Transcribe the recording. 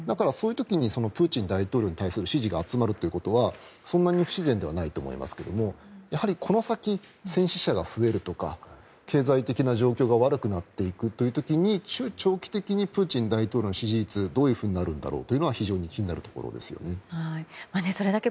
そういう時にプーチン大統領に対する支持が集まるということはそんなに不自然ではないと思いますが、この先戦死者が増えるとか経済的な状況が悪くなっていくという時に中長期的にプーチン大統領の支持率がどういうふうになるんだろうというのは非常に気になるところではありますよね。